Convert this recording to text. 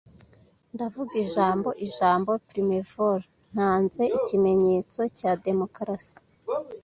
Ndavuga ijambo-ijambo primeval, ntanze ikimenyetso cya demokarasi,